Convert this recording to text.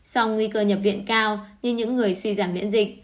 so với nguy cơ nhập viện cao như những người suy giảm miễn dịch